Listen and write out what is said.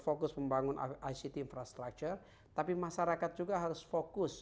fokus membangun ict infrastructure tapi masyarakat juga harus fokus